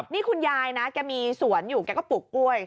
นี่คุณยายนะแกมีสวนอยู่แกก็ปลูกกล้วย